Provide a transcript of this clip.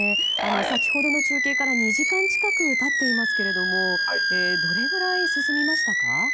先ほどの中継から２時間近く経っていますがどれぐらい進みましたか？